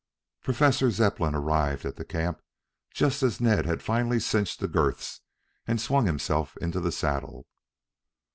Professor Zepplin arrived at the camp just as Ned had finally cinched the girths and swung himself into the saddle.